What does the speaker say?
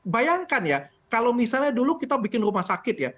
bayangkan ya kalau misalnya dulu kita bikin rumah sakit ya